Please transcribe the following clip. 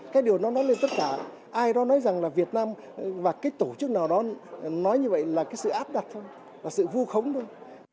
cái điều nó nói lên tất cả ai đó nói rằng là việt nam và cái tổ chức nào đó nói như vậy là cái sự áp đặt thôi là sự vu khống thôi